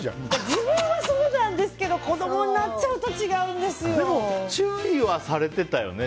自分はそうなんですけど子供になっちゃうとでも注意はされてたよね。